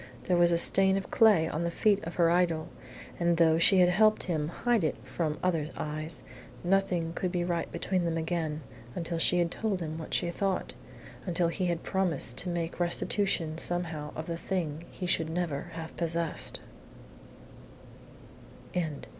There was a stain of clay on the feet of her idol, and though she had helped him to hide it from other eyes, nothing could be right between them again until she had told him what she thought until he had promised to make restitution somehow of the thing he should never have possessed.